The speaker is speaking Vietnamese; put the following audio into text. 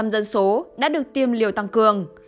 bốn một dân số đã được tiêm liều tăng cường